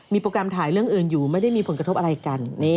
โปรแกรมถ่ายเรื่องอื่นอยู่ไม่ได้มีผลกระทบอะไรกัน